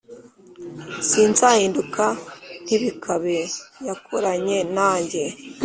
sinzahinduka Ntibikabe yakoranye nanjye.